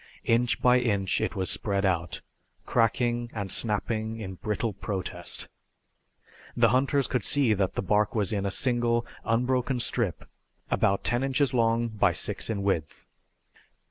Inch by inch it was spread out, cracking and snapping in brittle protest. The hunters could see that the bark was in a single unbroken strip about ten inches long by six in width.